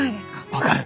分かる！